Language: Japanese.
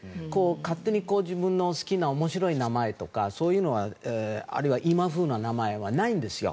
勝手に自分の好きな面白い名前とかあるいは今風な名前はないんですよ。